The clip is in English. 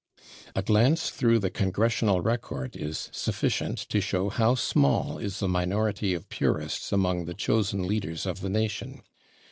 A glance through the /Congressional Record/ is sufficient to show how small is the minority of purists among the chosen leaders of the nation.